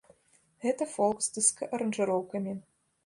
Гэта фолк, з дыска-аранжыроўкамі.